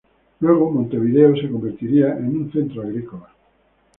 Luego, Montevideo se convertiría en un centro agrícola.